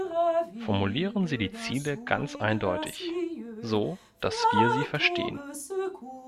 Formulieren Sie die Ziele ganz eindeutig, so dass wir sie verstehen!